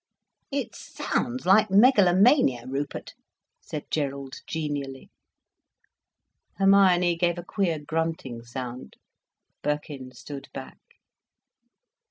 "It sounds like megalomania, Rupert," said Gerald, genially. Hermione gave a queer, grunting sound. Birkin stood back.